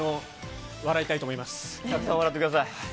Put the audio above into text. たくさん笑ってください。